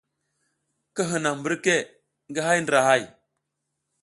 Ki hinam mbirke ngi hay ndra hay.